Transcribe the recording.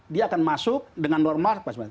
dia akan masuk dengan normal